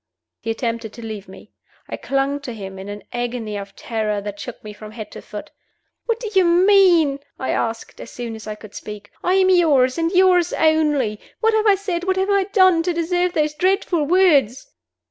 He attempted to leave me. I clung to him in an agony of terror that shook me from head to foot. "What do you mean?" I asked, as soon as I could speak. "I am yours and yours only. What have I said, what have I done, to deserve those dreadful words?"